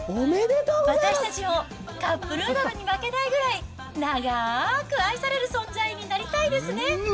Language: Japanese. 私たちもカップヌードルに負けないぐらい、長ーく愛される存在になりたいですね。